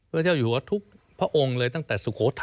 เจ้าอยู่หัวทุกพระองค์เลยตั้งแต่สุโขทัย